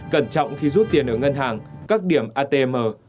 cẩn trọng khi rút tiền ở ngân hàng các điểm atm